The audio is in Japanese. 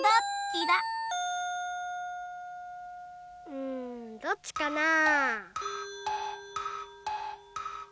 うんどっちかなぁ？